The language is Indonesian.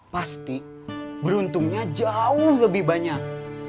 pasti beruntungnya jauh lebih banyak